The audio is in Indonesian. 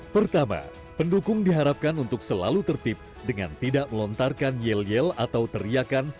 pertama pendukung diharapkan untuk selalu tertib dengan tidak melontarkan yel yel atau teriakan